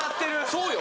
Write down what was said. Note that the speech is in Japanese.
そうよ。